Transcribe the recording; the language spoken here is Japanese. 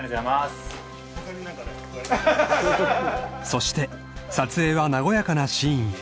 ［そして撮影は和やかなシーンへ］